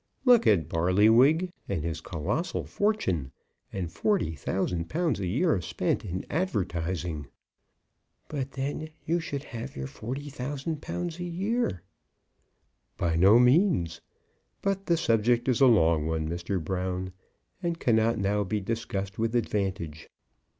Look at Barlywig and his colossal fortune, and 40,000_l._ a year spent in advertising." "But then you should have your 40,000_l._ a year." "By no means! But the subject is a long one, Mr. Brown, and cannot now be discussed with advantage.